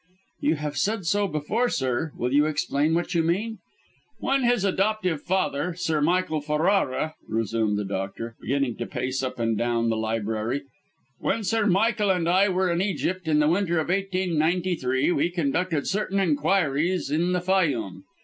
"You have said so before, sir. Will you explain what you mean?" "When his adoptive father, Sir Michael Ferrara," resumed the doctor, beginning to pace up and down the library "when Sir Michael and I were in Egypt, in the winter of 1893, we conducted certain inquiries in the Fayûm.